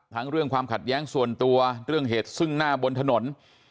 เรื่องความขัดแย้งส่วนตัวเรื่องเหตุซึ่งหน้าบนถนน